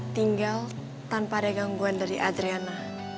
tinggal tanpa ada gangguan dari adriana